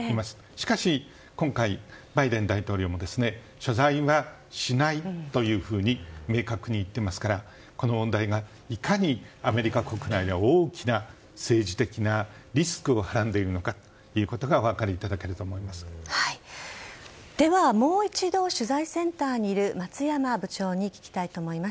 しかし今回、バイデン大統領も謝罪はしないというふうに明確に言っていますからこの問題がいかにアメリカ国内では大きな政治的なリスクをはらんでいるのかということがでは、もう一度取材センターにいる松山部長に聞きたいと思います。